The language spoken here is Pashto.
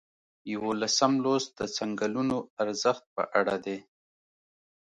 یوولسم لوست د څنګلونو ارزښت په اړه دی.